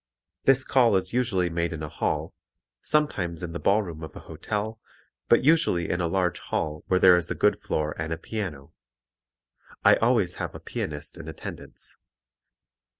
This call is usually made in a hall, sometimes in the ballroom of a hotel, but usually in a large hall where there is a good floor and a piano. I always have a pianist in attendance.